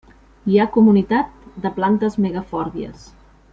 Hi ha comunitat de plantes megafòrbies.